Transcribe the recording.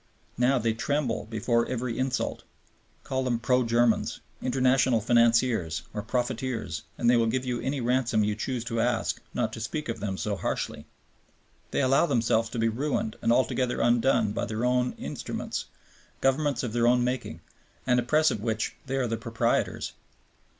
Now they tremble before every insult; call them pro Germans, international financiers, or profiteers, and they will give you any ransom you choose to ask not to speak of them so harshly. They allow themselves to be ruined and altogether undone by their own instruments, governments of their own making, and a press of which they are the proprietors.